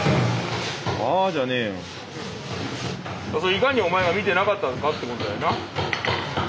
いかにお前が見てなかったかってことだよな分かる？